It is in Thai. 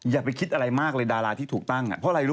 อย่าไปคิดอะไรมากเลยดาราที่ถูกตั้ง